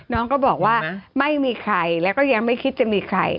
น้องก็บอกว่าไม่มีใครแล้วก็ยังไม่คิดจะมีใคร